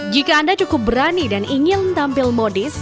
jika anda cukup berani dan ingin tampil modis